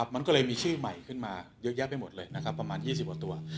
มันก็เลยมีชื่อใหม่ขึ้นมาเยอะแยะไปหมดเลยนะครับประมาณ๒๐กว่าตัว